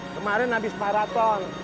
kemarin habis paraton